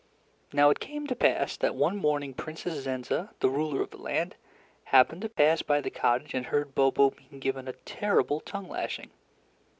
Now it came to pass that one morning Princess Zenza, the ruler of the land, happened to pass by the cottage and heard Bobo being given a terrible tongue lashing.